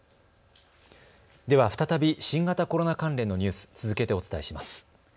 では再び新型コロナ関連のニュース、続けてお伝えします。